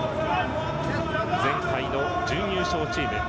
前回の準優勝チーム。